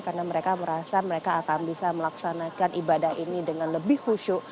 karena mereka merasa mereka akan bisa melaksanakan ibadah ini dengan lebih khusyuk